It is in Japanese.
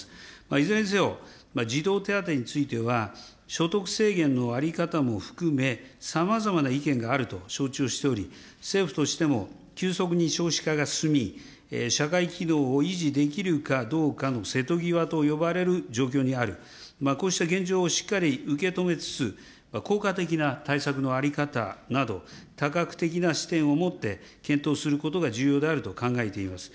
いずれにせよ、児童手当については、所得制限の在り方も含め、さまざまな意見があると承知をしており、政府としても急速に少子化が進み、社会機能を維持できるかどうかの瀬戸際と呼ばれる状況にある、こうした現状をしっかり受け止めつつ、効果的な対策の在り方など、多角的な視点を持って検討することが重要であると考えています。